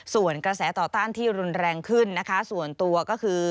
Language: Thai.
ส่วนกระแสต่อต้านที่รุนแรงขึ้นนะคะส่วนตัวก็คือ